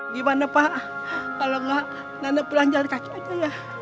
gimana pak kalau gak nenek pulang jalan kaca aja ya